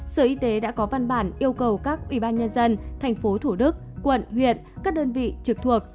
sở y tế đã có văn bản yêu cầu các ủy ban nhân dân tp thủ đức quận huyện các đơn vị trực thuộc